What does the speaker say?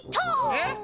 えっ？